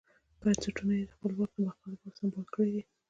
بنسټونه یې د خپل واک د بقا لپاره سمبال کړي دي.